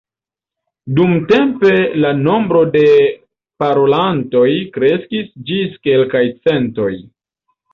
Dumtempe la nombro de parolantoj kreskis ĝis kelkaj centoj.